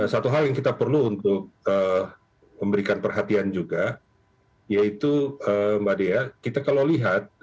satu hal yang kita perlu untuk memberikan perhatian juga yaitu mbak dea